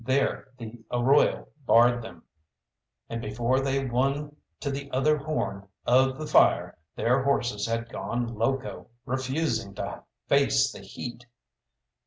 There the arroyo barred them, and before they won to the other horn of the fire their horses had gone loco, refusing to face the heat.